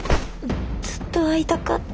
ずっと会いたかった。